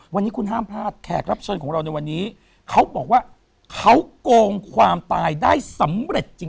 วันนี้คุณห้ามพลาดแขกรับเชิญของเราในวันนี้เขาบอกว่าเขาโกงความตายได้สำเร็จจริง